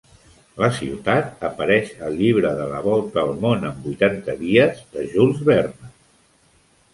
La ciutat apareix al llibre de "La volta al món en vuitanta dies" de Jules Verne.